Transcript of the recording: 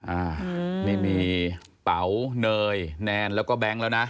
อ่านี่มีเป๋าเนยแนนแล้วก็แบงค์แล้วนะ